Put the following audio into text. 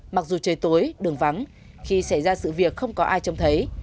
mặc dù trời tối đường vắng khi xảy ra sự việc không có ai trông thấy